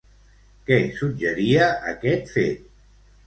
Què suggeria aquest fet?